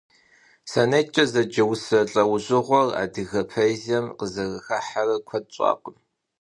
СонеткӀэ зэджэ усэ лӀэужьыгъуэр адыгэ поэзием къызэрыхыхьэрэ куэд щӀакъым.